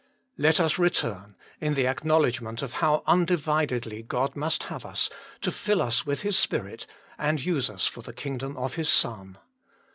Let us return, in the acknowledgment of how undividedly God must have us, to fill us with His Spirit, and use us for the kingdom of His Son.